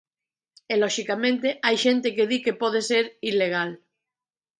E loxicamente hai xente que di que pode ser ilegal.